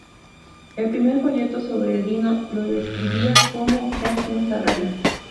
El primer folleto sobre el Dino lo describía como "casi un Ferrari".